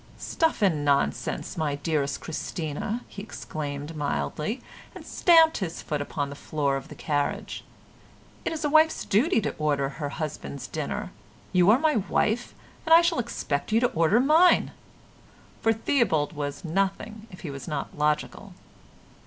"Stuff and nonsense, my dearest Christina," he exclaimed mildly, and stamped his foot upon the floor of the carriage. "It is a wife's duty to order her husband's dinner; you are my wife, and I shall expect you to order mine." For Theobald was nothing if he was not logical.